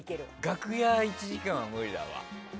楽屋１時間は無理だわ。